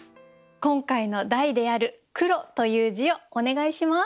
今回の題である「黒」という字をお願いします。